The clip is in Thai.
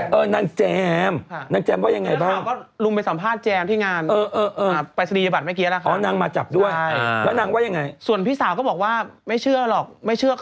พี่สาวชื่อแจมพี่สาวชื่อแจมพี่สาวชื่อแจม